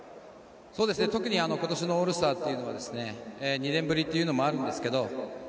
特に今年のオールスターというのは２年ぶりというのもあるんですけど